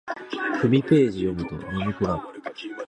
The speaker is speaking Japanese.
二三ページ読むと眠くなる